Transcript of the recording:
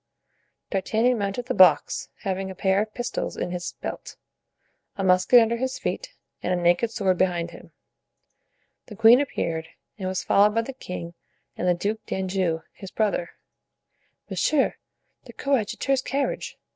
D'Artagnan mounted the box, having a pair of pistols in his belt, a musket under his feet and a naked sword behind him. The queen appeared, and was followed by the king and the Duke d'Anjou, his brother. "Monsieur the coadjutor's carriage!"